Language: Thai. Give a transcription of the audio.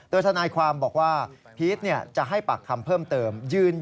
โดยทนายความบอกว่าพีชจะให้ปากคำเพิ่มเติม